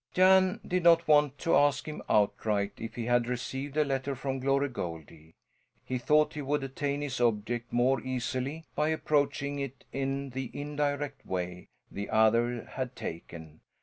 Jan did not want to ask him outright if he had received a letter from Glory Goldie. He thought he would attain his object more easily by approaching it in the indirect way the other had taken.